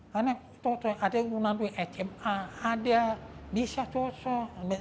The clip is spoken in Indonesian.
karena cocok ada yang nanti sma ada bisa cocok